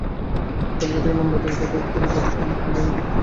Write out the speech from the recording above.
তালিকা থেকে নাম বাদ দেওয়ার ব্যাপারটি কূটনৈতিক সম্পর্ক নবায়নের পূর্বশর্ত নয়।